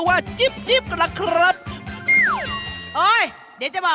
เด็กเจอเด็กเจ๊